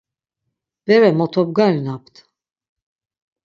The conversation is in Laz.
Bere mot omgarinapt?